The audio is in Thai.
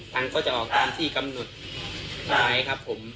ตังค์ก็จะออกตามที่กำหนดไปครับผม